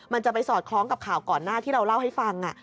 มันจะไปสอดคล้องกับข่าวก่อนหน้าที่เราเล่าให้ฟัง